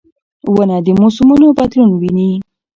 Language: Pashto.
ونه د موسمونو بدلون ویني.